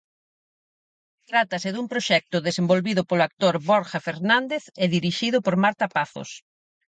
Trátase dun proxecto desenvolvido polo actor Borja Fernández e dirixido por Marta Pazos.